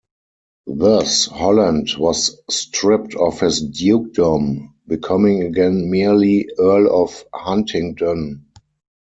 Thus Holland was stripped of his dukedom, becoming again merely Earl of Huntingdon.